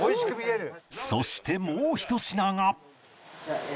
そしてもうひと品が